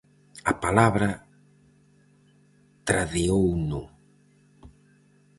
A palabra tradeouno.